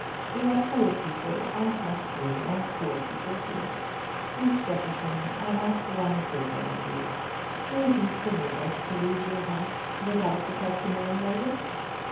We are poor people, and must live as poor people do. Miss Shepperson, I ask one favour of you. Will you permit us to leave your house without the customary notice?